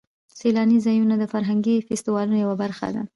سیلاني ځایونه د فرهنګي فستیوالونو یوه برخه ده.